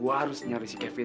gue harus nyari si kevin